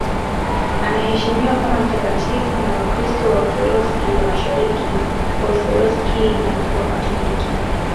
Anaheshimiwa kama mtakatifu na Wakristo Waorthodoksi wa Mashariki, Waorthodoksi na Wakatoliki.